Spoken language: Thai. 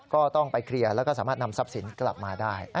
ก็ต้องไปเคลียร์แล้วก็สามารถนำทรัพย์สินกลับมาได้